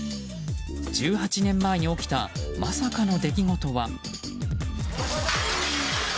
１８年前に起きたまさかの出来事は。